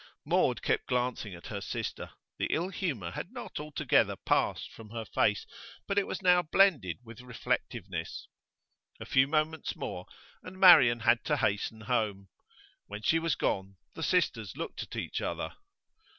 Maud kept glancing at her sister. The ill humour had not altogether passed from her face, but it was now blended with reflectiveness. A few moments more, and Marian had to hasten home. When she was gone the sisters looked at each other.